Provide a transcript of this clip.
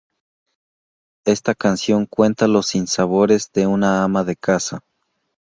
Esta canción cuenta los sinsabores de una ama de casa.